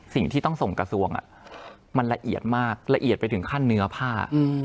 สิ่งที่ต้องส่งกระทรวงมันละเอียดมากละเอียดไปถึงขั้นเนื้อผ้า